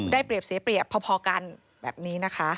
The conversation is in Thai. เปรียบเสียเปรียบพอกันแบบนี้นะคะ